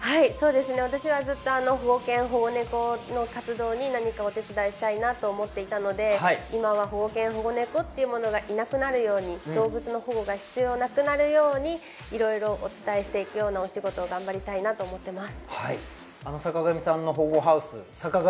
私はずっと保護猫の活動に貢献、何かお手伝いしたいなと思っていたので、今は保護犬、保護猫というものがいなくなるように、動物の保護が必要なくなるように、いろいろお伝えしていくようなお仕事を頑張りたいなと思っています。